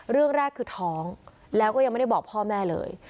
เรื่องแรกคือท้องแล้วก็ยังไม่ได้บอกพ่อแม่เลย